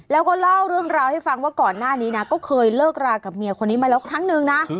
แล้วก็เล่าเรื่องราวให้ฟังว่าก่อนหน้านี้นะก็เคยเลิกรากับเมียคนนี้มาแล้วครั้งนึงนะ